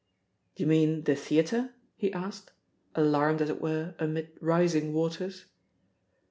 "D'ye mean the theatre?" he asked, alarmed as it were amid rising waters.